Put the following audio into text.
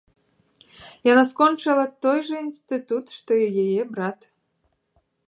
Яна скончыла той жа інстытут, што і яе брат.